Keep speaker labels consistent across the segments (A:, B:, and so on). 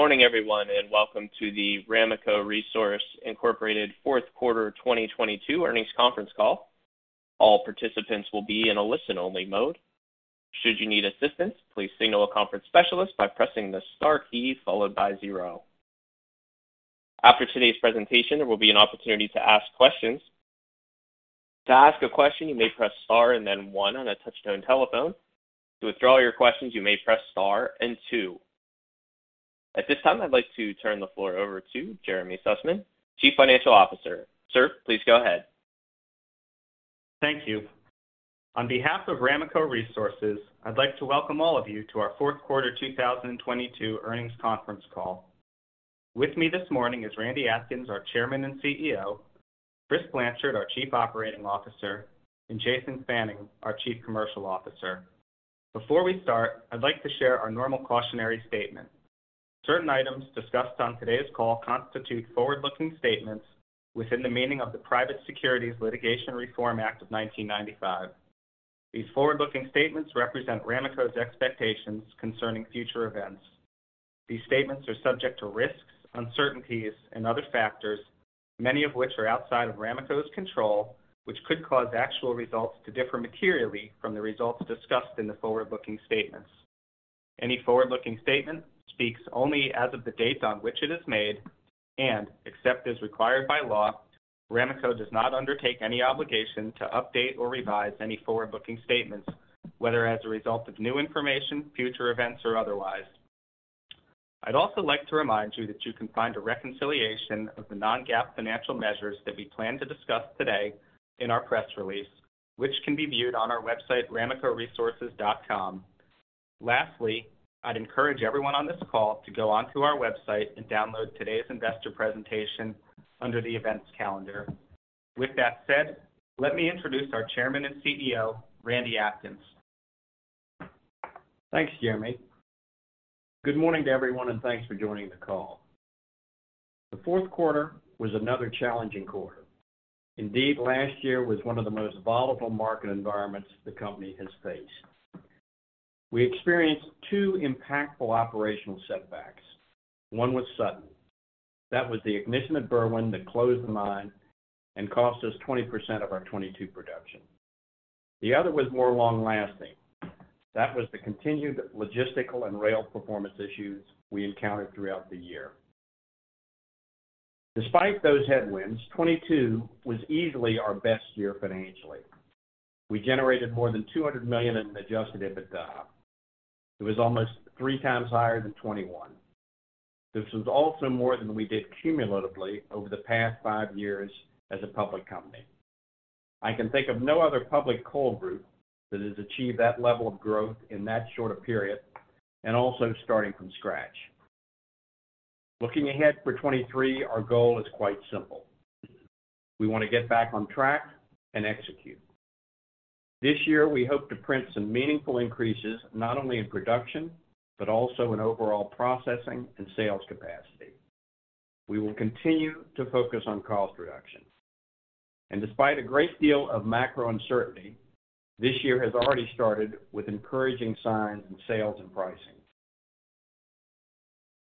A: Good morning, everyone, and welcome to the Ramaco Resources, Inc. fourth quarter 2022 earnings conference call. All participants will be in a listen-only mode. Should you need assistance, please signal a conference specialist by pressing the star key followed by zero. After today's presentation, there will be an opportunity to ask questions. To ask a question, you may press star and then one on a touch-tone telephone. To withdraw your questions, you may press star and two. At this time, I'd like to turn the floor over to Jeremy Sussman, Chief Financial Officer. Sir, please go ahead.
B: Thank you. On behalf of Ramaco Resources, I'd like to welcome all of you to our fourth quarter 2022 earnings conference call. With me this morning is Randy Atkins, our Chairman and CEO, Chris Blanchard, our Chief Operating Officer, and Jason Fannin, our Chief Commercial Officer. Before we start, I'd like to share our normal cautionary statement. Certain items discussed on today's call constitute forward-looking statements within the meaning of the Private Securities Litigation Reform Act of 1995. These forward-looking statements represent Ramaco's expectations concerning future events. These statements are subject to risks, uncertainties, and other factors, many of which are outside of Ramaco's control, which could cause actual results to differ materially from the results discussed in the forward-looking statements. Any forward-looking statement speaks only as of the date on which it is made, and except as required by law, Ramaco does not undertake any obligation to update or revise any forward-looking statements, whether as a result of new information, future events, or otherwise. I'd also like to remind you that you can find a reconciliation of the non-GAAP financial measures that we plan to discuss today in our press release, which can be viewed on our website, ramacoresources.com. Lastly, I'd encourage everyone on this call to go onto our website and download today's investor presentation under the events calendar. With that said, let me introduce our Chairman and CEO, Randy Atkins.
C: Thanks, Jeremy. Good morning to everyone, thanks for joining the call. The fourth quarter was another challenging quarter. Indeed, last year was one of the most volatile market environments the company has faced. We experienced two impactful operational setbacks. One was sudden. That was the ignition at Berwind that closed the mine and cost us 20% of our 2022 production. The other was more long-lasting. That was the continued logistical and rail performance issues we encountered throughout the year. Despite those headwinds, 2022 was easily our best year financially. We generated more than $200 million in adjusted EBITDA. It was almost 3x higher than 2021. This was also more than we did cumulatively over the past five years as a public company. I can think of no other public coal group that has achieved that level of growth in that short a period and also starting from scratch. Looking ahead for 2023, our goal is quite simple. We want to get back on track and execute. This year, we hope to print some meaningful increases, not only in production, but also in overall processing and sales capacity. We will continue to focus on cost reduction. Despite a great deal of macro uncertainty, this year has already started with encouraging signs in sales and pricing.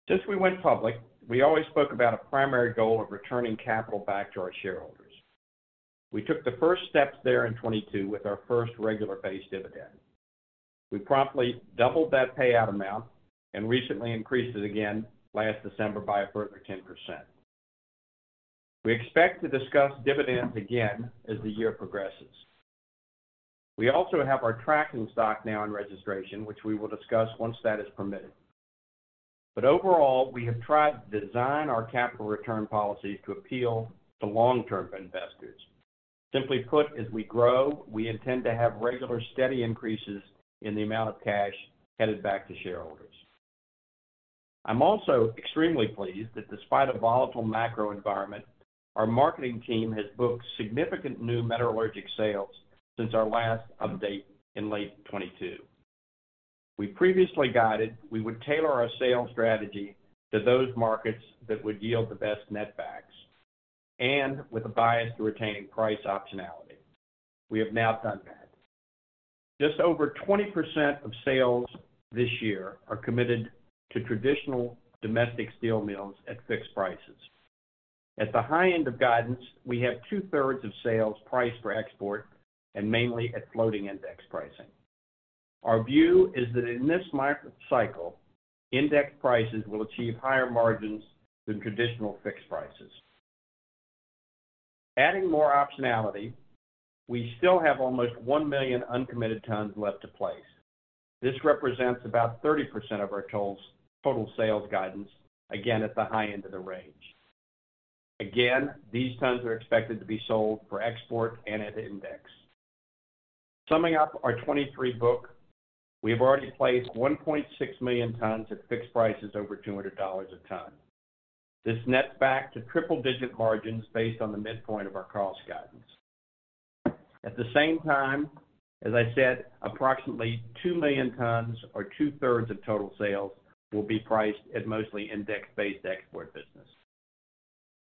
C: Since we went public, we always spoke about a primary goal of returning capital back to our shareholders. We took the first steps there in 2022 with our first regular base dividend. We promptly doubled that payout amount and recently increased it again last December by a further 10%. We expect to discuss dividends again as the year progresses. We also have our tracking stock now in registration, which we will discuss once that is permitted. Overall, we have tried to design our capital return policy to appeal to long-term investors. Simply put, as we grow, we intend to have regular, steady increases in the amount of cash headed back to shareholders. I'm also extremely pleased that despite a volatile macro environment, our marketing team has booked significant new metallurgical sales since our last update in late 2022. We previously guided we would tailor our sales strategy to those markets that would yield the best netbacks and with a bias to retaining price optionality. We have now done that. Just over 20% of sales this year are committed to traditional domestic steel mills at fixed prices. At the high end of guidance, we have 2/3 of sales priced for export and mainly at floating index pricing. Our view is that in this market cycle, index prices will achieve higher margins than traditional fixed prices. Adding more optionality, we still have almost 1 million uncommitted tons left to place. This represents about 30% of our total sales guidance, again, at the high end of the range. Again, these tons are expected to be sold for export and at index. Summing up our 23 book, we have already placed 1.6 million tons at fixed prices over $200 a ton. This nets back to triple-digit margins based on the midpoint of our cost guidance. At the same time, as I said, approximately 2 million tons or 2/3 of total sales will be priced at mostly index-based export business.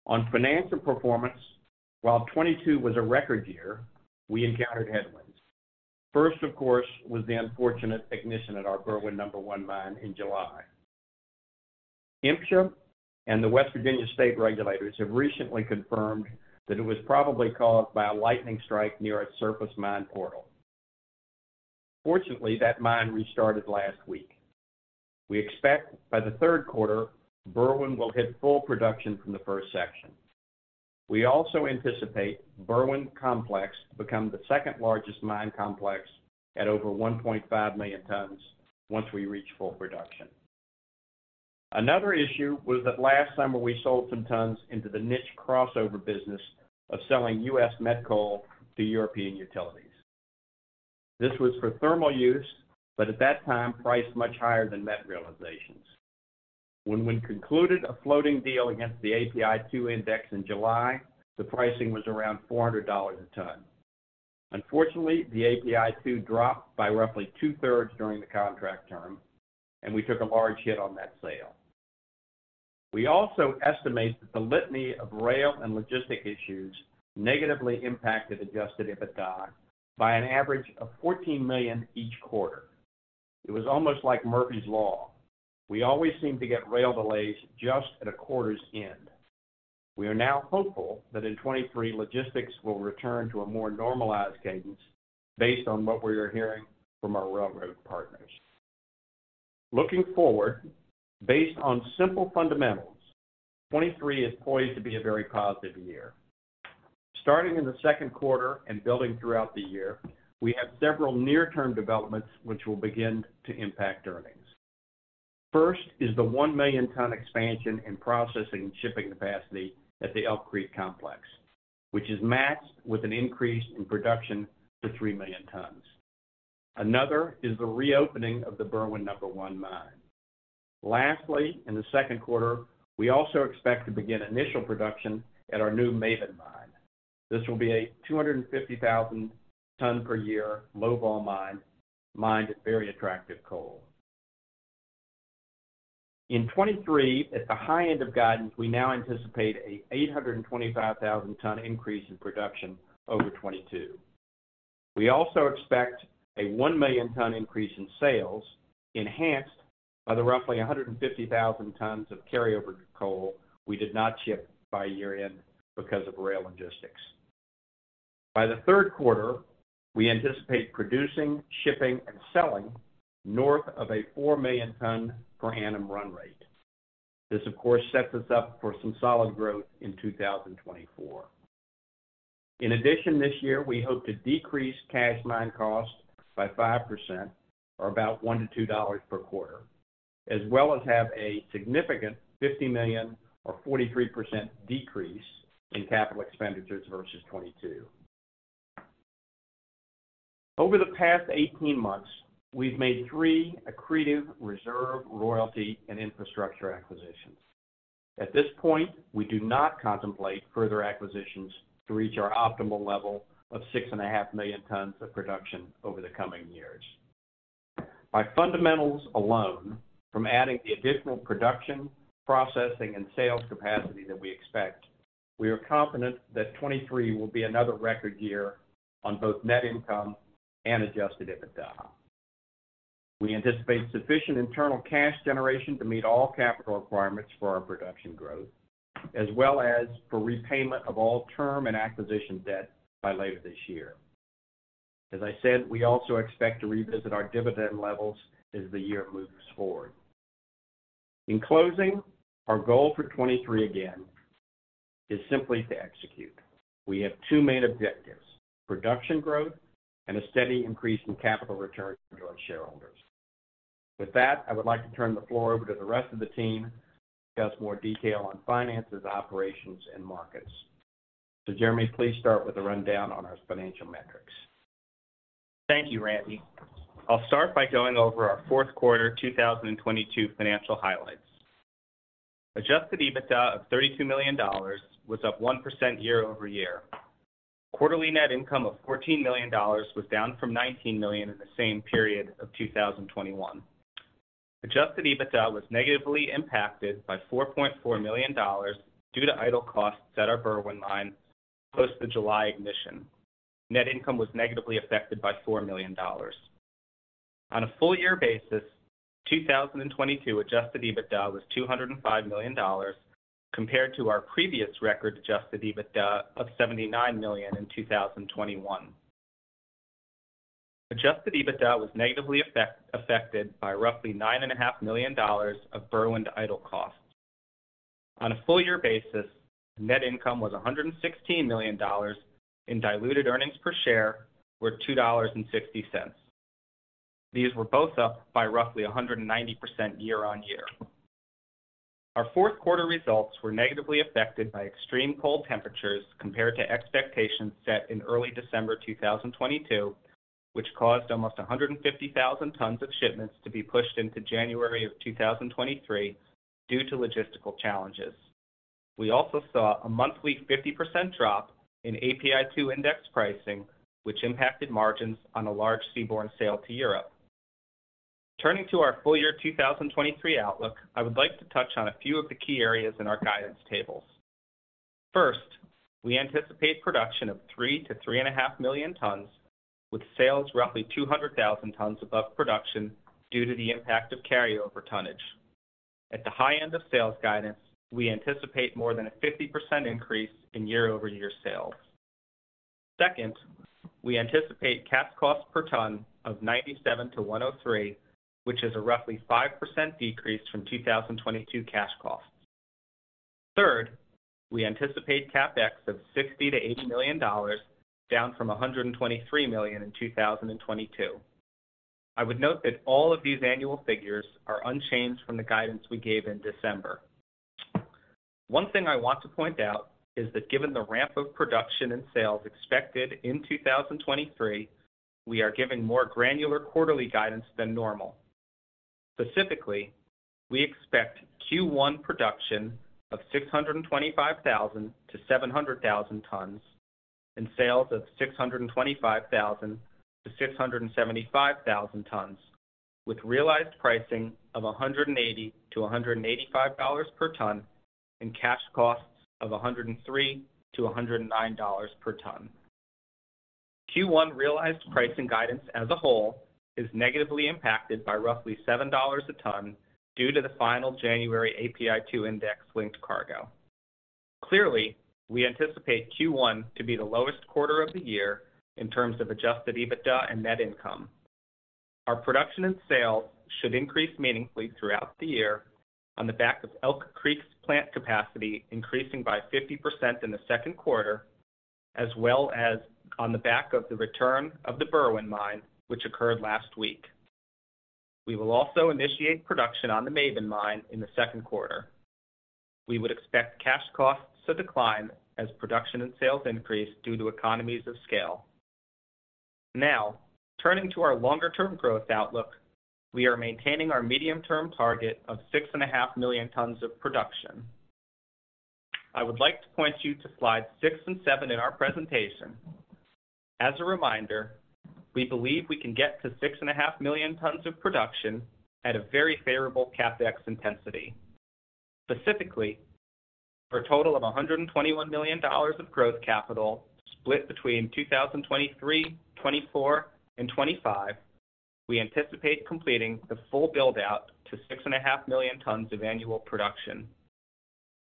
C: On financial performance, while 2022 was a record year, we encountered headwinds. First, of course, was the unfortunate ignition at our Berwind No. 1 Mine in July. MSHA and the West Virginia state regulators have recently confirmed that it was probably caused by a lightning strike near a surface mine portal. Fortunately, that mine restarted last week. We expect by the third quarter, Berwind will hit full production from the first section. We also anticipate Berwind Complex to become the second-largest mine complex at over 1.5 million tons once we reach full production. Another issue was that last summer we sold some tons into the niche crossover business of selling U.S. met coal to European utilities. This was for thermal use, at that time priced much higher than met realizations. When we concluded a floating deal against the API2 index in July, the pricing was around $400 a ton. Unfortunately, the API2 dropped by roughly two-thirds during the contract term, and we took a large hit on that sale. We also estimate that the litany of rail and logistic issues negatively impacted adjusted EBITDA by an average of $14 million each quarter. It was almost like Murphy's Law. We always seem to get rail delays just at a quarter's end. We are now hopeful that in 2023, logistics will return to a more normalized cadence based on what we are hearing from our railroad partners. Looking forward, based on simple fundamentals, 2023 is poised to be a very positive year. Starting in the second quarter and building throughout the year, we have several near-term developments which will begin to impact earnings. First is the 1 million-ton expansion in processing shipping capacity at the Elk Creek complex, which is maxed with an increase in production to 3 million tons. Another is the reopening of the Berwind No. 1 Mine. In the second quarter, we also expect to begin initial production at our new Maben Mine. This will be a 250,000 ton per year low-vol mine, mined at very attractive coal. In 2023, at the high end of guidance, we now anticipate a 825,000 ton increase in production over 2022. We also expect a 1 million ton increase in sales enhanced by the roughly 150,000 tons of carryover coal we did not ship by year-end because of rail logistics. By the third quarter, we anticipate producing, shipping, and selling north of a 4 million ton per annum run rate. This, of course, sets us up for some solid growth in 2024. This year, we hope to decrease cash mine cost by 5% or about $1-$2 per quarter, as well as have a significant $50 million or 43% decrease in capital expenditures versus 2022. Over the past 18 months, we've made three accretive reserve, royalty, and infrastructure acquisitions. At this point, we do not contemplate further acquisitions to reach our optimal level of 6.5 million tons of production over the coming years. By fundamentals alone, from adding the additional production, processing, and sales capacity that we expect, we are confident that 2023 will be another record year on both net income and adjusted EBITDA. We anticipate sufficient internal cash generation to meet all capital requirements for our production growth, as well as for repayment of all term and acquisition debt by later this year. As I said, we also expect to revisit our dividend levels as the year moves forward. In closing, our goal for 2023 again is simply to execute. We have two main objectives, production growth and a steady increase in capital return to our shareholders. With that, I would like to turn the floor over to the rest of the team to discuss more detail on finances, operations, and markets. Jeremy, please start with a rundown on our financial metrics.
B: Thank you, Randy. I'll start by going over our fourth quarter 2022 financial highlights. Adjusted EBITDA of $32 million was up 1% year-over-year. Quarterly net income of $14 million was down from $19 million in the same period of 2021. Adjusted EBITDA was negatively impacted by $4.4 million due to idle costs at our Berwind Mine post the July ignition. Net income was negatively affected by $4 million. On a full year basis, 2022 adjusted EBITDA was $205 million compared to our previous record adjusted EBITDA of $79 million in 2021. Adjusted EBITDA was negatively affected by roughly $9.5 million of Berwind idle costs. On a full year basis, net income was $116 million, and diluted earnings per share were $2.60. These were both up by roughly 190% year-on-year. Our fourth quarter results were negatively affected by extreme cold temperatures compared to expectations set in early December 2022, which caused almost 150,000 tons of shipments to be pushed into January of 2023 due to logistical challenges. We also saw a monthly 50% drop in API2 index pricing, which impacted margins on a large seaborne sale to Europe. Turning to our full year 2023 outlook, I would like to touch on a few of the key areas in our guidance tables. First, we anticipate production of 3 million-3.5 million tons, with sales roughly 200,000 tons above production due to the impact of carryover tonnage. At the high end of sales guidance, we anticipate more than a 50% increase in year-over-year sales. Second, we anticipate cash costs per ton of $97-$103, which is a roughly 5% decrease from 2022 cash costs. Third, we anticipate CapEx of $60 million-$80 million, down from $123 million in 2022. I would note that all of these annual figures are unchanged from the guidance we gave in December. One thing I want to point out is that given the ramp of production and sales expected in 2023, we are giving more granular quarterly guidance than normal. Specifically, we expect Q1 production of 625,000-700,000 tons and sales of 625,000-675,000 tons, with realized pricing of $180-$185 per ton and cash costs of $103-$109 per ton. Q1 realized pricing guidance as a whole is negatively impacted by roughly $7 a ton due to the final January API2 index linked cargo. Clearly, we anticipate Q1 to be the lowest quarter of the year in terms of adjusted EBITDA and net income. Our production and sales should increase meaningfully throughout the year on the back of Elk Creek's plant capacity increasing by 50% in the second quarter, as well as on the back of the return of the Berwind Mine, which occurred last week. We will also initiate production on the Maben Mine in the second quarter. We would expect cash costs to decline as production and sales increase due to economies of scale. Turning to our longer-term growth outlook, we are maintaining our medium-term target of 6.5 million tons of production. I would like to point you to slides six and seven in our presentation. As a reminder, we believe we can get to 6.5 million tons of production at a very favorable CapEx intensity. Specifically, for a total of $121 million of growth capital split between 2023, 2024, and 2025, we anticipate completing the full build-out to 6.5 million tons of annual production.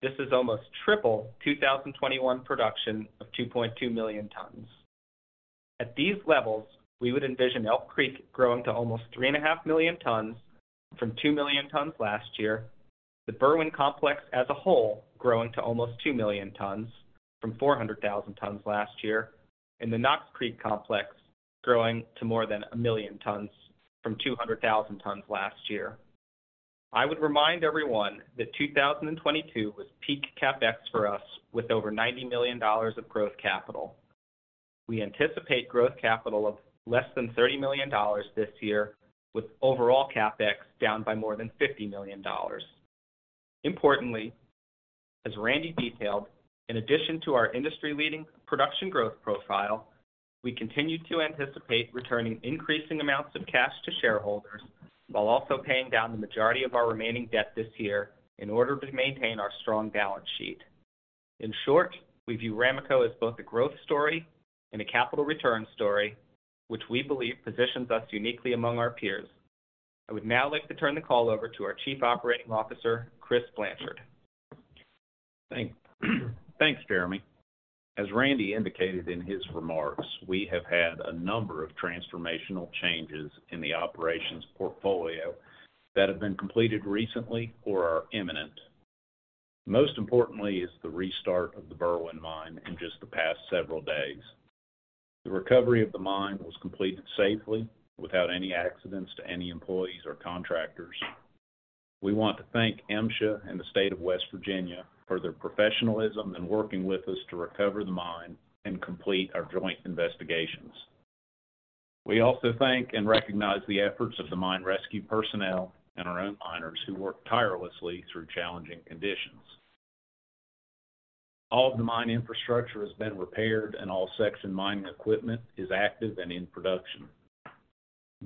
B: This is almost triple 2021 production of 2.2 million tons. At these levels, we would envision Elk Creek growing to almost 3.5 million tons from 2 million tons last year, the Berwind complex as a whole growing to almost 2 million tons from 400,000 tons last year, and the Knox Creek complex growing to more than 1 million tons from 200,000 tons last year. I would remind everyone that 2022 was peak CapEx for us with over $90 million of growth capital. We anticipate growth capital of less than $30 million this year, with overall CapEx down by more than $50 million. As Randy detailed, in addition to our industry-leading production growth profile, we continue to anticipate returning increasing amounts of cash to shareholders while also paying down the majority of our remaining debt this year in order to maintain our strong balance sheet. We view Ramaco as both a growth story and a capital return story, which we believe positions us uniquely among our peers. I would now like to turn the call over to our Chief Operating Officer, Chris Blanchard.
D: Thanks, Jeremy. As Randy indicated in his remarks, we have had a number of transformational changes in the operations portfolio that have been completed recently or are imminent. Most importantly is the restart of the Berwind Mine in just the past several days. The recovery of the mine was completed safely without any accidents to any employees or contractors. We want to thank MSHA and the state of West Virginia for their professionalism in working with us to recover the mine and complete our joint investigations. We also thank and recognize the efforts of the mine rescue personnel and our own miners who worked tirelessly through challenging conditions. All of the mine infrastructure has been repaired and all section mining equipment is active and in production.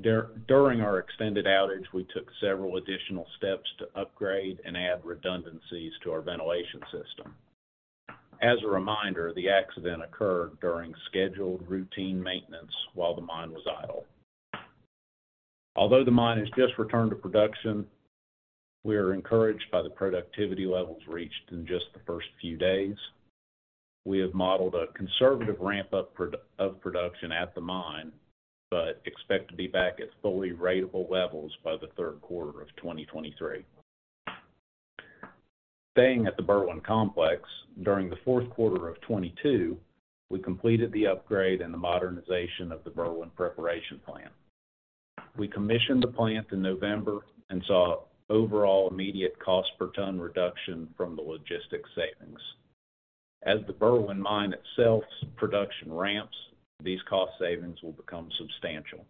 D: During our extended outage, we took several additional steps to upgrade and add redundancies to our ventilation system. As a reminder, the accident occurred during scheduled routine maintenance while the mine was idle. Although the mine has just returned to production, we are encouraged by the productivity levels reached in just the first few days. We have modeled a conservative ramp-up of production at the mine, but expect to be back at fully ratable levels by the third quarter of 2023. Staying at the Berwind complex, during the fourth quarter of 22, we completed the upgrade and the modernization of the Berwind preparation plant. We commissioned the plant in November and saw overall immediate cost per ton reduction from the logistics savings. As the Berwind Mine itself's production ramps, these cost savings will become substantial.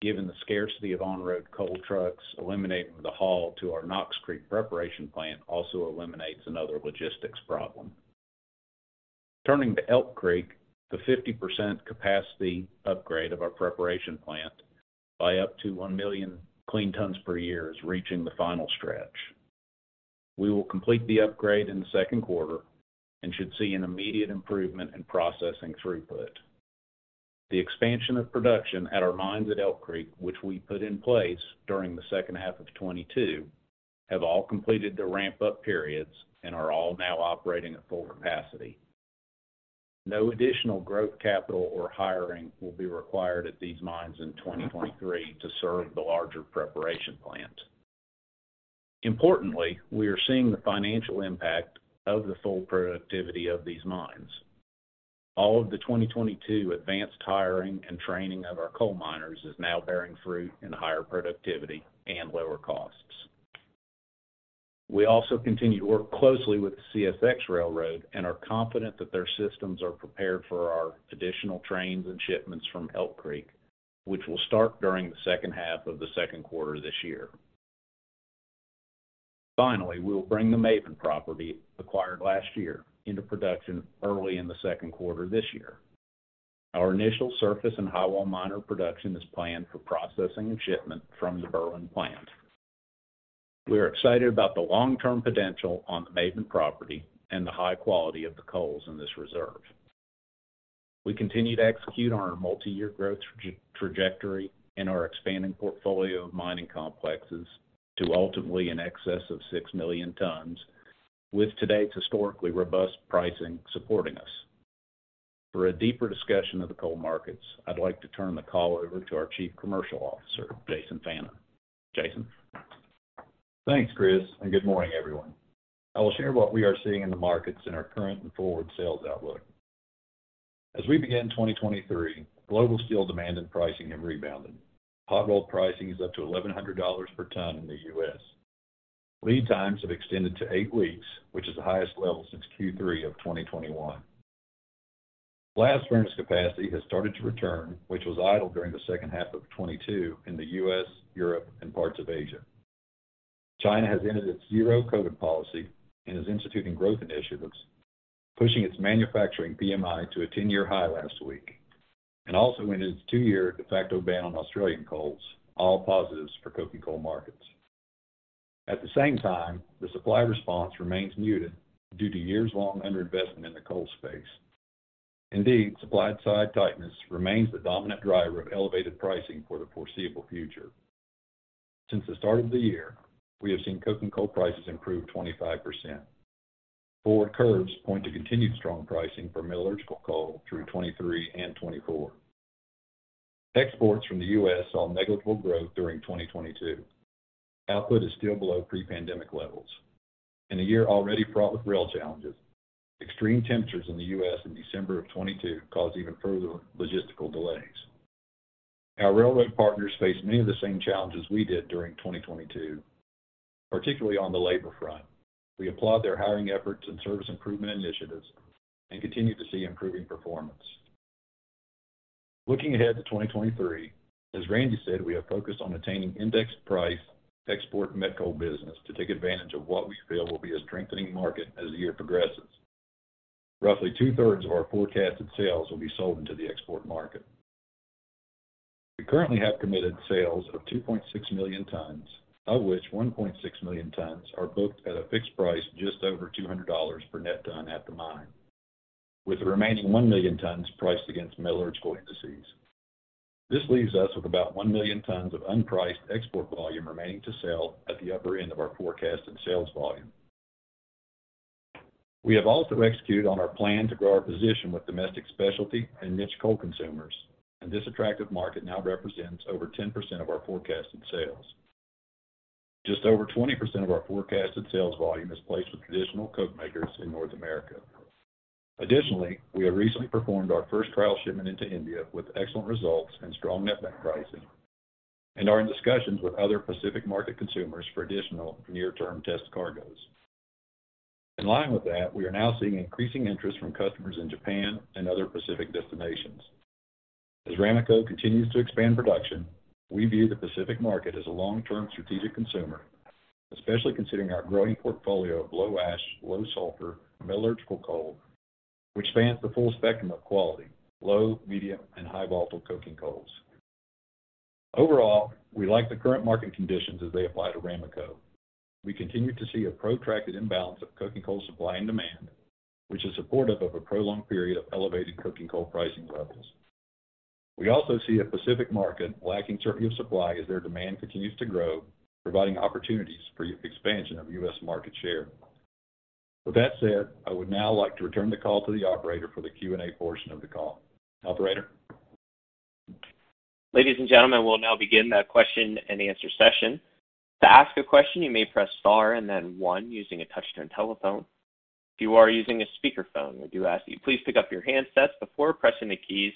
D: Given the scarcity of on-road coal trucks, eliminating the haul to our Knox Creek preparation plant also eliminates another logistics problem. Turning to Elk Creek, the 50% capacity upgrade of our preparation plant by up to 1 million clean tons per year is reaching the final stretch. We will complete the upgrade in the second quarter and should see an immediate improvement in processing throughput. The expansion of production at our mines at Elk Creek, which we put in place during the second half of 2022, have all completed the ramp-up periods and are all now operating at full capacity. No additional growth capital or hiring will be required at these mines in 2023 to serve the larger preparation plant. Importantly, we are seeing the financial impact of the full productivity of these mines. All of the 2022 advanced hiring and training of our coal miners is now bearing fruit in higher productivity and lower costs. We also continue to work closely with the CSX railroad and are confident that their systems are prepared for our additional trains and shipments from Elk Creek, which will start during the second half of the second quarter this year. Finally, we will bring the Maben property acquired last year into production early in the second quarter this year. Our initial surface and highwall miner production is planned for processing and shipment from the Berwind plant. We are excited about the long-term potential on the Maben property and the high quality of the coals in this reserve. We continue to execute on our multi-year growth trajectory and our expanding portfolio of mining complexes to ultimately in excess of 6 million tons with today's historically robust pricing supporting us. For a deeper discussion of the coal markets, I'd like to turn the call over to our Chief Commercial Officer, Jason Fannin. Jason?
E: Thanks, Chris. Good morning, everyone. I will share what we are seeing in the markets in our current and forward sales outlook. As we begin 2023, global steel demand and pricing have rebounded. Hot roll pricing is up to $1,100 per ton in the U.S. Lead times have extended to eight weeks, which is the highest level since Q3 of 2021. Blast furnace capacity has started to return, which was idle during the second half of 2022 in the U.S., Europe, and parts of Asia. China has ended its zero-COVID policy and is instituting growth initiatives, pushing its manufacturing PMI to a 10-year high last week, and also ended its two-year de facto ban on Australian coals, all positives for coking coal markets. At the same time, the supply response remains muted due to years-long underinvestment in the coal space. Indeed, supply side tightness remains the dominant driver of elevated pricing for the foreseeable future. Since the start of the year, we have seen coking coal prices improve 25%. Forward curves point to continued strong pricing for metallurgical coal through 2023 and 2024. Exports from the U.S. saw negligible growth during 2022. Output is still below pre-pandemic levels. In a year already fraught with rail challenges, extreme temperatures in the U.S. in December of 2022 caused even further logistical delays. Our railroad partners face many of the same challenges we did during 2022, particularly on the labor front. We applaud their hiring efforts and service improvement initiatives and continue to see improving performance. Looking ahead to 2023, as Randy said, we are focused on attaining indexed price export met coal business to take advantage of what we feel will be a strengthening market as the year progresses. Roughly 2/3 of our forecasted sales will be sold into the export market. We currently have committed sales of 2.6 million tons, of which 1.6 million tons are booked at a fixed price just over $200 per net ton at the mine, with the remaining 1 million tons priced against metallurgical indices. This leaves us with about 1 million tons of unpriced export volume remaining to sell at the upper end of our forecasted sales volume. We have also executed on our plan to grow our position with domestic specialty and niche coal consumers, and this attractive market now represents over 10% of our forecasted sales. Just over 20% of our forecasted sales volume is placed with traditional coke makers in North America. We have recently performed our first trial shipment into India with excellent results and strong net back pricing and are in discussions with other Pacific market consumers for additional near-term test cargoes. In line with that, we are now seeing increasing interest from customers in Japan and other Pacific destinations. As Ramaco continues to expand production, we view the Pacific market as a long-term strategic consumer, especially considering our growing portfolio of low ash, low sulfur metallurgical coal, which spans the full spectrum of quality: low, medium, and high-volatile coking coals. Overall, we like the current market conditions as they apply to Ramaco. We continue to see a protracted imbalance of coking coal supply and demand, which is supportive of a prolonged period of elevated coking coal pricing levels. We also see a Pacific market lacking certainty of supply as their demand continues to grow, providing opportunities for expansion of U.S. market share. With that said, I would now like to return the call to the operator for the Q&A portion of the call. Operator?
A: Ladies and gentlemen, we'll now begin the question and answer session. To ask a question, you may press star and then one using a touch-tone telephone. If you are using a speakerphone, we do ask that you please pick up your handsets before pressing the keys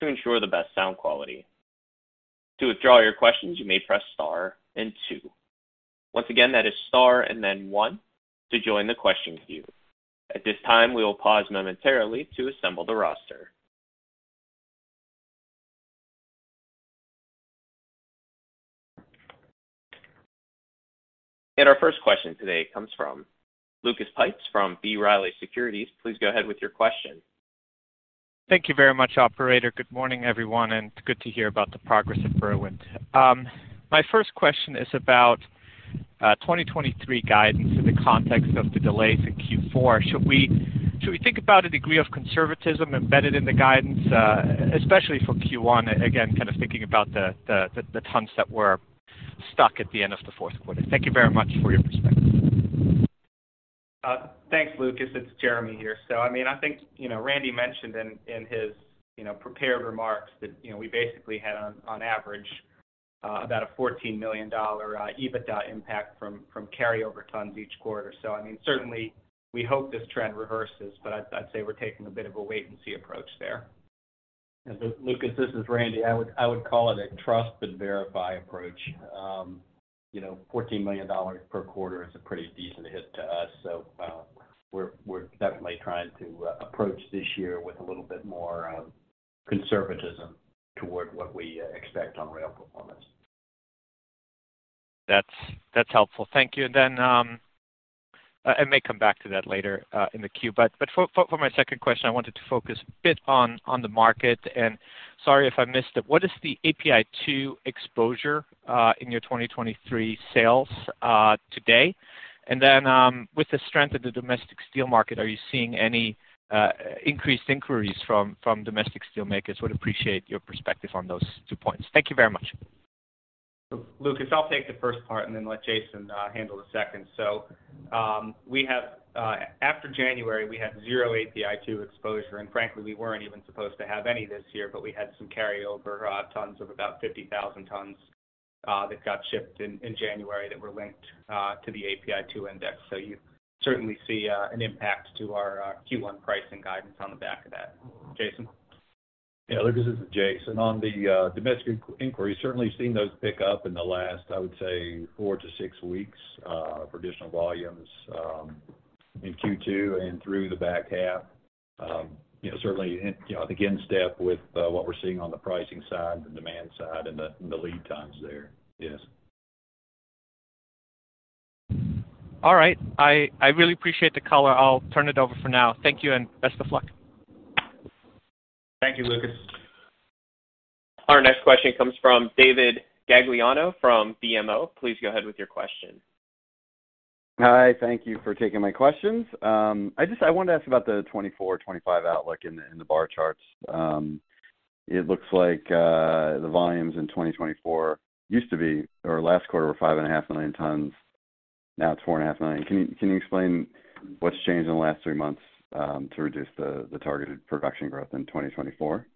A: to ensure the best sound quality. To withdraw your questions, you may press star and two. Once again, that is star and then one to join the question queue. At this time, we will pause momentarily to assemble the roster. Our first question today comes from Lucas Pipes from B. Riley Securities. Please go ahead with your question.
F: Thank you very much, operator. Good morning, everyone, and good to hear about the progress at Berwind. My first question is about 2023 guidance in the context of the delays in Q4. Should we think about a degree of conservatism embedded in the guidance, especially for Q1? Again, kind of thinking about the tons that were stuck at the end of the fourth quarter. Thank you very much for your perspective.
B: Thanks, Lucas. It's Jeremy here. I mean, I think, you know, Randy mentioned in his, you know, prepared remarks that, you know, we basically had on average, about a $14 million EBITDA impact from carryover tons each quarter. I mean, certainly we hope this trend reverses, but I'd say we're taking a bit of a wait and see approach there.
C: Yeah. Lucas, this is Randy. I would call it a trust but verify approach. You know, $14 million per quarter is a pretty decent hit to us. We're definitely trying to approach this year with a little bit more conservatism toward what we expect on rail performance.
F: That's helpful. Thank you. I may come back to that later, in the queue. For my second question, I wanted to focus a bit on the market, and sorry if I missed it. What is the API2 exposure, in your 2023 sales, today? With the strength of the domestic steel market, are you seeing any, increased inquiries from domestic steel makers? Would appreciate your perspective on those two points. Thank you very much.
B: Lucas, I'll take the first part and then let Jason handle the second. After January, we had 0 API2 exposure. Frankly, we weren't even supposed to have any this year, but we had some carryover tons of about 50,000 tons that got shipped in January that were linked to the API2 index. You certainly see an impact to our Q1 pricing guidance on the back of that. Jason.
E: Yeah. Lucas, this is Jason. On the domestic inquiries, certainly seen those pick up in the last, I would say, four to six weeks, for additional volumes, in Q2 and through the back half. You know, certainly in, you know, I think in step with what we're seeing on the pricing side, the demand side, and the lead times there. Yes.
F: All right. I really appreciate the color. I'll turn it over for now. Thank you and best of luck.
B: Thank you, Lucas.
A: Our next question comes from David Gagliano from BMO. Please go ahead with your question.
G: Hi. Thank you for taking my questions. I wanted to ask about the 2024/2025 outlook in the bar charts. It looks like the volumes in 2024 used to be or last quarter were 5.5 million tons. Now it's 4.5 million tons. Can you explain what's changed in the last three months to reduce the targeted production growth in 2024?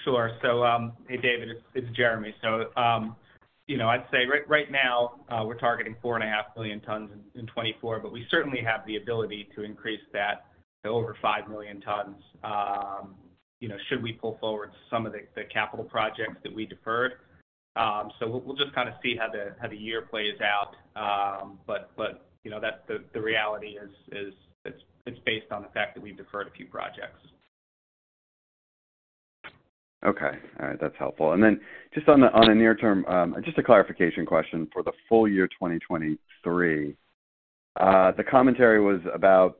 B: Sure. Hey, David, it's Jeremy. You know, I'd say right now, we're targeting 4.5 million tons in 2024, but we certainly have the ability to increase that to over 5 million tons, you know, should we pull forward some of the capital projects that we deferred. We'll just kind of see how the year plays out. But, you know, that's the reality is, it's based on the fact that we deferred a few projects.
G: Okay. All right. That's helpful. Just on the near-term, just a clarification question for the full year 2023. The commentary was about,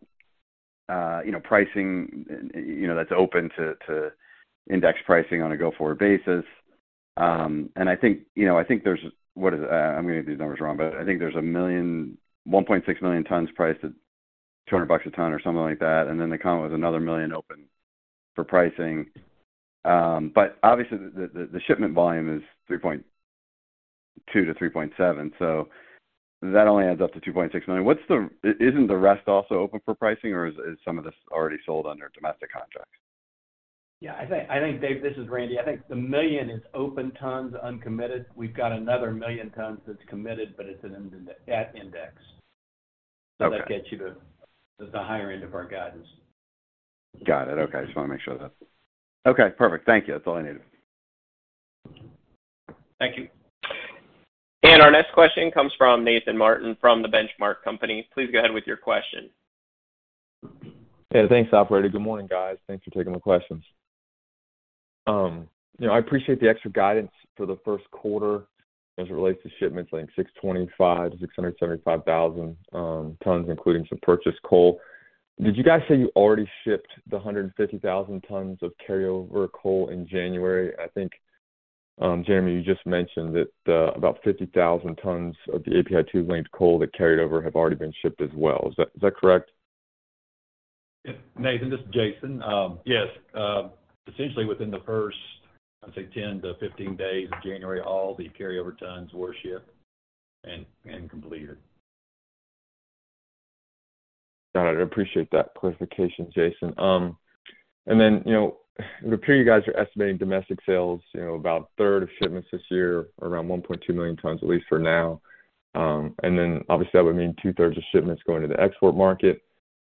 G: you know, pricing, you know, that's open to index pricing on a go-forward basis. I think, you know, I may get these numbers wrong, but I think there's 1.6 million tons priced at $200 a ton or something like that. The comment was another 1 million open for pricing. Obviously the shipment volume is 3.2-3.7, so that only adds up to 2.6 million. Isn't the rest also open for pricing or is some of this already sold under domestic contracts?
C: Yeah. I think, Dave, this is Randy. I think the 1 million is open tons uncommitted. We've got another 1 million tons that's committed, but it's at index.
G: Okay.
C: That gets you to the higher end of our guidance.
G: Got it. Okay. Just wanna make sure that... Okay, perfect. Thank you. That's all I needed.
B: Thank you.
A: Our next question comes from Nathan Martin from The Benchmark Company. Please go ahead with your question.
H: Yeah, thanks, operator. Good morning, guys. Thanks for taking the questions. You know, I appreciate the extra guidance for the first quarter as it relates to shipments, like 625,000-675,000 tons, including some purchased coal. Did you guys say you already shipped the 150,000 tons of carryover coal in January? I think, Jeremy, you just mentioned that about 50,000 tons of the API2 linked coal that carried over have already been shipped as well. Is that correct?
E: Nathan, this is Jason. Yes. Essentially within the first, I'd say 10 to 15 days of January, all the carryover tons were shipped and completed.
H: Got it. Appreciate that clarification, Jason. You know, it appeared you guys are estimating domestic sales, you know, about a third of shipments this year or around 1.2 million tons, at least for now. Obviously, that would mean 2/3 of shipments going to the export market,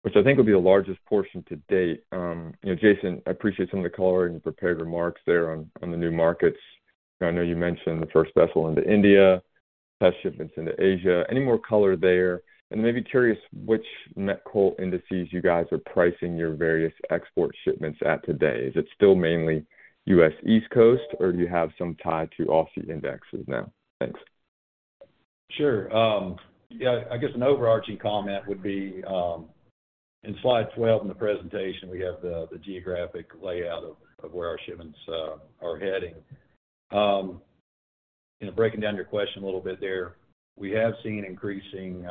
H: which I think will be the largest portion to date. You know, Jason, I appreciate some of the color and prepared remarks there on the new markets. I know you mentioned the first vessel into India, test shipments into Asia. Any more color there? Curious which met coal indices you guys are pricing your various export shipments at today. Is it still mainly U.S. East Coast, or do you have some tied to off the indices now? Thanks.
E: Sure. Yeah, I guess an overarching comment would be, in slide 12 in the presentation, we have the geographic layout of where our shipments are heading. You know, breaking down your question a little bit there, we have seen increasing,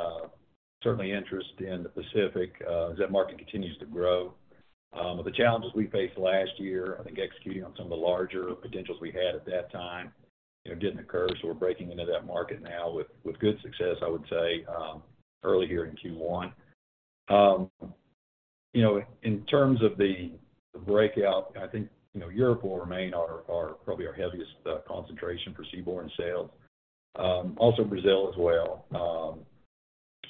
E: certainly interest in the Pacific, as that market continues to grow. The challenges we faced last year, I think executing on some of the larger potentials we had at that time, you know, didn't occur. We're breaking into that market now with good success, I would say, early here in Q1. You know, in terms of the breakout, I think, you know, Europe will remain our probably our heaviest concentration for seaborne sales. Also Brazil as well,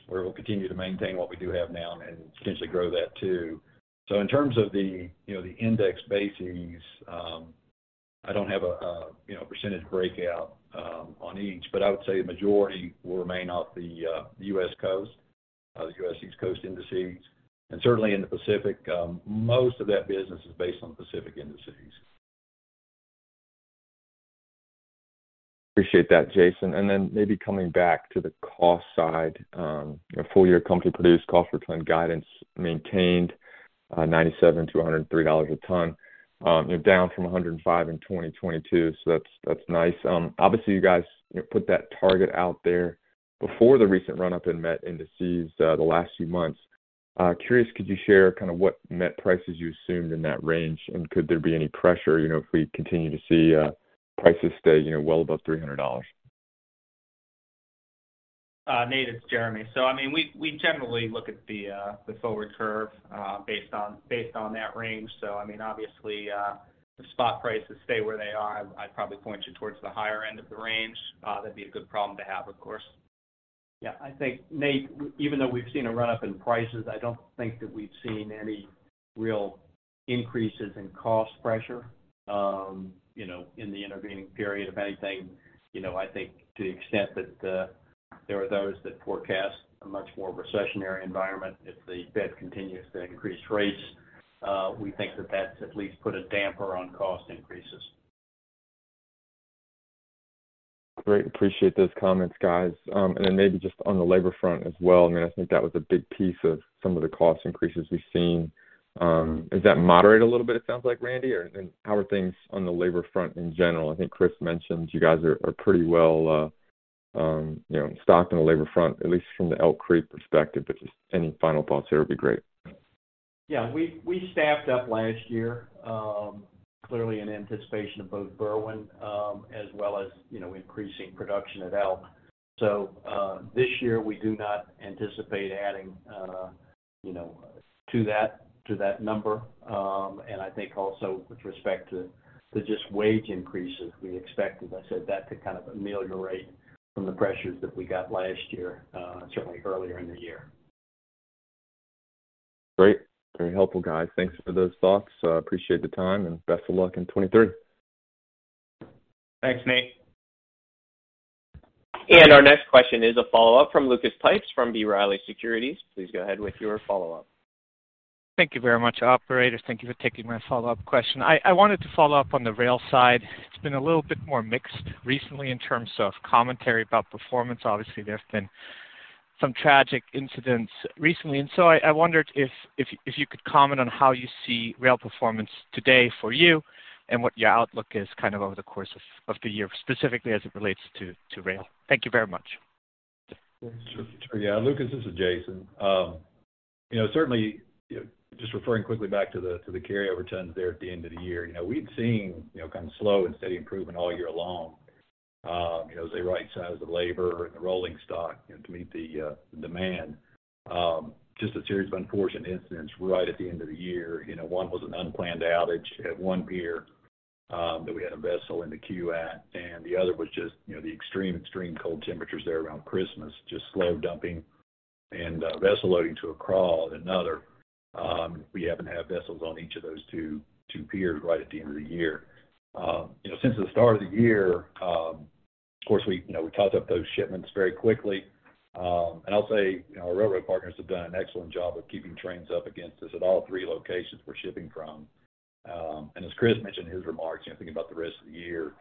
E: where we'll continue to maintain what we do have now and potentially grow that too. In terms of the, you know, the index bases, I don't have a, you know, percentage breakout on each, but I would say the majority will remain off the U.S. coast, the U.S. East Coast indices. Certainly in the Pacific, most of that business is based on Pacific indices.
H: Appreciate that, Jason. Maybe coming back to the cost side, you know, full-year company produced cost per ton guidance maintained, $97-$103 a ton. Down from $105 in 2022, that's nice. Obviously, you guys, you know, put that target out there before the recent run-up in met indices, the last few months. Curious, could you share kind of what met prices you assumed in that range? Could there be any pressure, you know, if we continue to see prices stay, you know, well above $300?
B: Nate, it's Jeremy. I mean, we generally look at the forward curve based on that range. I mean, obviously, if spot prices stay where they are, I'd probably point you towards the higher end of the range. That'd be a good problem to have, of course.
C: I think Nate, even though we've seen a run-up in prices, I don't think that we've seen any real increases in cost pressure, you know, in the intervening period. If anything, you know, I think to the extent that there are those that forecast a much more recessionary environment if the Fed continues to increase rates, we think that that's at least put a damper on cost increases.
H: Great. Appreciate those comments, guys. Then maybe just on the labor front as well. I mean, I think that was a big piece of some of the cost increases we've seen. Has that moderated a little bit, it sounds like, Randy? How are things on the labor front in general? I think Chris mentioned you guys are pretty well, you know, stocked on the labor front, at least from the Elk Creek perspective, but just any final thoughts here would be great.
C: Yeah. We staffed up last year, clearly in anticipation of both Berwind, as well as, you know, increasing production at Elk. This year, we do not anticipate adding, you know, to that number. I think also with respect to the just wage increases we expected, I said that could kind of ameliorate some of the pressures that we got last year, certainly earlier in the year.
H: Great. Very helpful, guys. Thanks for those thoughts. appreciate the time, and best of luck in 2023.
B: Thanks, Nate.
A: Our next question is a follow-up from Lucas Pipes from B. Riley Securities. Please go ahead with your follow-up.
F: Thank you very much, operator. Thank you for taking my follow-up question. I wanted to follow-up on the rail side. It's been a little bit more mixed recently in terms of commentary about performance. Obviously, there have been some tragic incidents recently, and so I wondered if you could comment on how you see rail performance today for you and what your outlook is kind of over the course of the year, specifically as it relates to rail. Thank you very much.
E: Sure. Yeah. Lucas, this is Jason. You know, certainly, just referring quickly back to the, to the carryover tons there at the end of the year. You know, we'd seen, you know, kind of slow and steady improvement all year long, you know, as they right-sized the labor and the rolling stock to meet the demand. Just a series of unfortunate incidents right at the end of the year. You know, one was an unplanned outage at one pier, that we had a vessel in the queue at, and the other was just, you know, the extreme cold temperatures there around Christmas just slowed dumping and vessel loading to a crawl at another. We happened to have vessels on each of those two piers right at the end of the year. You know, since the start of the year, of course we, you know, we caught up those shipments very quickly. I'll say, you know, our railroad partners have done an excellent job of keeping trains up against us at all three locations we're shipping from. As Chris mentioned in his remarks, you know, thinking about the rest of the year,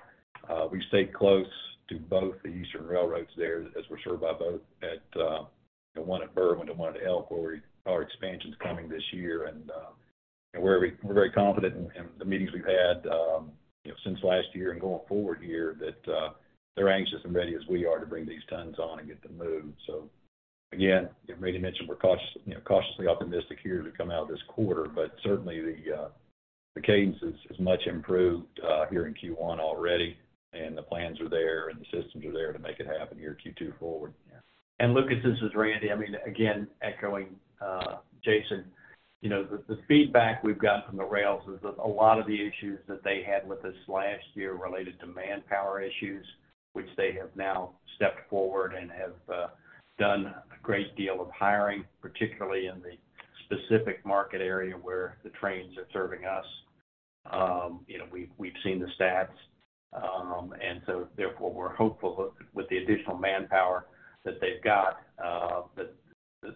E: we stay close to both the eastern railroads there as we're served by both at one at Berwind and one at Elk, where our expansion's coming this year. We're very confident in the meetings we've had, you know, since last year and going forward here that they're anxious and ready as we are to bring these tons on and get them moved. As Randy mentioned, we're cautiously optimistic here as we come out of this quarter, but certainly the cadence is much improved here in Q1 already, and the plans are there, and the systems are there to make it happen here Q2 forward.
C: Lucas, this is Randy. I mean, again, echoing, Jason, you know, the feedback we've gotten from the rails is that a lot of the issues that they had with us last year related to manpower issues, which they have now stepped forward and have done a great deal of hiring, particularly in the specific market area where the trains are serving us. You know, we've seen the stats. Therefore, we're hopeful with the additional manpower that they've got, that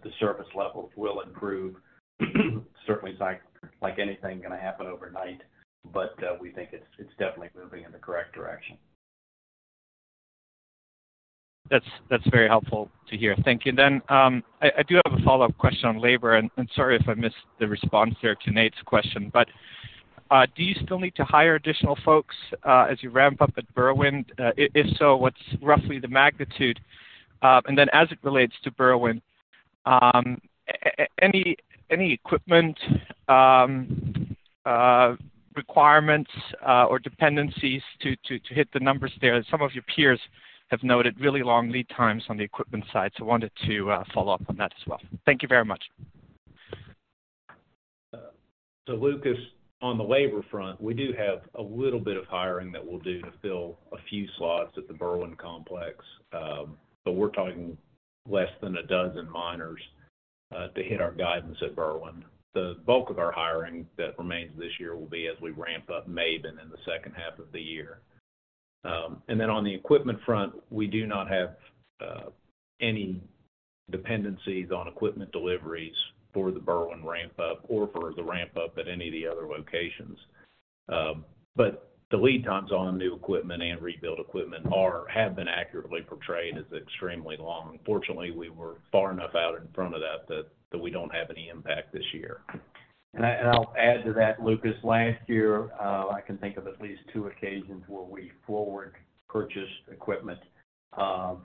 C: the surface levels will improve. Certainly, it's not, like anything, gonna happen overnight, but we think it's definitely moving in the correct direction.
F: That's very helpful to hear. Thank you. I do have a follow-up question on labor, and sorry if I missed the response there to Nate's question, but do you still need to hire additional folks as you ramp up at Berwind? If so, what's roughly the magnitude? As it relates to Berwind, any equipment requirements or dependencies to hit the numbers there? Some of your peers have noted really long lead times on the equipment side, so wanted to follow up on that as well. Thank you very much.
D: Lucas, on the labor front, we do have a little bit of hiring that we'll do to fill a few slots at the Berwind Complex, we're talking less than a dozen miners to hit our guidance at Berwind. The bulk of our hiring that remains this year will be as we ramp up Maben in the second half of the year. On the equipment front, we do not have any dependencies on equipment deliveries for the Berwind ramp up or for the ramp up at any of the other locations. The lead times on new equipment and rebuilt equipment have been accurately portrayed as extremely long. Fortunately, we were far enough out in front of that we don't have any impact this year.
C: I'll add to that, Lucas. Last year, I can think of at least two occasions where we forward purchased equipment,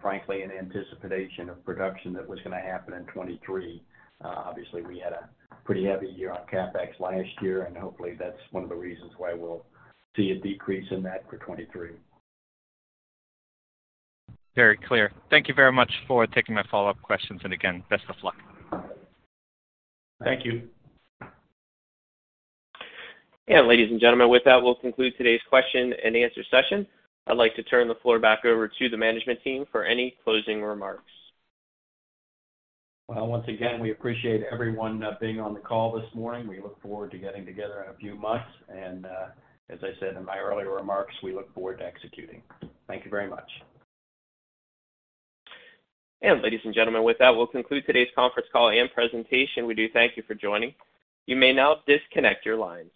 C: frankly, in anticipation of production that was gonna happen in 2023. Obviously, we had a pretty heavy year on CapEx last year, and hopefully, that's one of the reasons why we'll see a decrease in that for 2023.
F: Very clear. Thank you very much for taking my follow-up questions. Again, best of luck.
C: Thank you.
A: Ladies and gentlemen, with that, we'll conclude today's question-and-answer session. I'd like to turn the floor back over to the management team for any closing remarks.
C: Well, once again, we appreciate everyone being on the call this morning. We look forward to getting together in a few months. As I said in my earlier remarks, we look forward to executing. Thank you very much.
A: Ladies and gentlemen, with that, we'll conclude today's conference call and presentation. We do thank you for joining. You may now disconnect your lines.